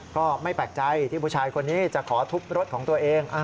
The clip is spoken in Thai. ก็ไม่แปลกใจที่ผู้ชายคนนี้จะขอทุบรถของตัวเอง